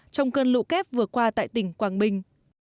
trong cơn lũ kép vừa qua tại tỉnh quảng bình